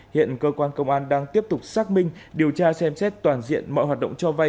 hiện cơ quan công an đang tiếp tục xác minh điều tra xem xét toàn diện mọi hoạt động cho vay